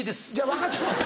分かってます。